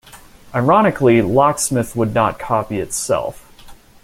Ironically, Locksmith would not copy itself.